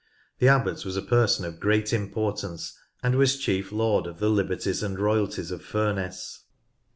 The Abbot was a person of great importance, and was chief lord of the liberties and royalties of Furness.